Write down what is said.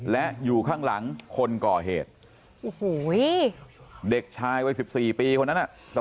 และอยู่ข้างหลังคนก่อเหตุโอ้โหเด็กชายวัย๑๔ปีคนนั้นน่ะ